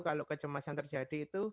kalau kecemasan terjadi